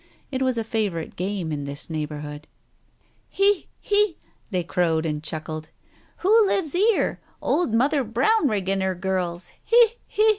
It was a favourite game in this neighbourhood. " He 1 He !" they crowed and chuckled. " Who lives 'ere ? Old Mother Brownrigg and her girls. He ! He